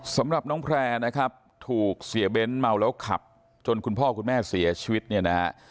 สำหรับน้องแพร่นะครับถูกเสียเบ้นเมาแล้วขับจนคุณพ่อคุณแม่เสียชีวิตเนี่ยนะฮะ